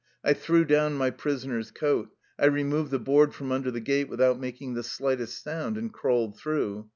I threw down my prisoner's coat. I removed the board from under the gate without making the slightest sound, and crawled through.